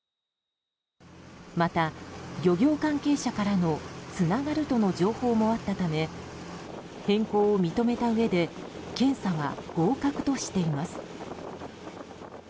また、漁業関係者からのつながるとの情報もあったため変更を認めたうえで検査は合格としています。